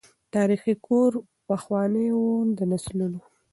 تاریخي کور پخوانی وو د نسلونو